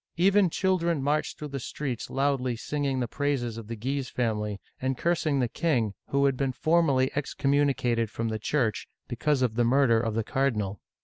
Even children marched through the streets loudly singing the praises of the Guise family and cursing the king, who had been formally excommu nicated from the Church because of the murder of the car dinal.